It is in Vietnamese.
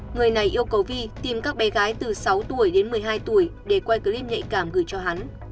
người này yêu cầu vi tìm các bé gái từ sáu tuổi đến một mươi hai tuổi để quay clip nhạy cảm gửi cho hắn